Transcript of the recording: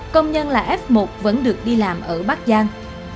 công nhân là f một vẫn được đi làm ở bắc giang